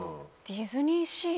ディズニーシー！